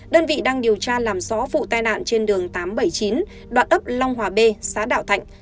đơn vị đang điều tra làm rõ vụ tai nạn trên đường tám trăm bảy mươi chín đoạn ấp long hòa b xã đạo thạnh